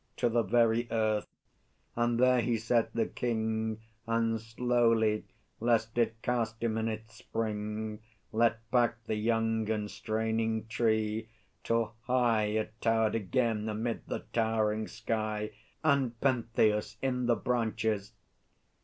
To the very earth. And there he set the King, And slowly, lest it cast him in its spring, Let back the young and straining tree, till high It towered again amid the towering sky; And Pentheus in the branches!